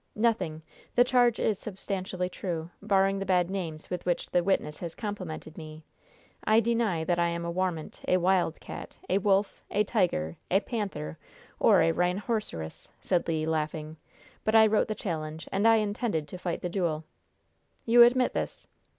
"Nothing. The charge is substantially true, barring the bad names with which the witness has complimented me. I deny that I am a 'warmint,' a 'wild cat,' a 'wolf,' a 'tiger,' a 'panther' or a 'rhine horse o rus,'" said Le, laughing; "but I wrote the challenge, and I intended to fight the duel." "You admit this?"